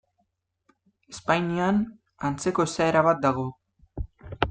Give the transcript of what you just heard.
Espainian, antzeko esaera bat dago.